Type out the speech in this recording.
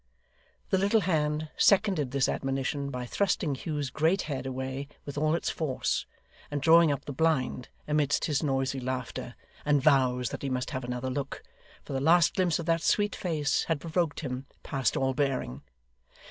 The little hand seconded this admonition by thrusting Hugh's great head away with all its force, and drawing up the blind, amidst his noisy laughter, and vows that he must have another look, for the last glimpse of that sweet face had provoked him past all bearing.